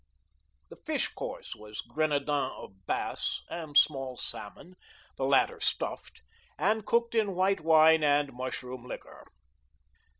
The fish course was grenadins of bass and small salmon, the latter stuffed, and cooked in white wine and mushroom liquor.